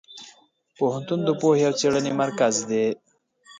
پوهنتون د پوهې او څېړنې مرکز دی.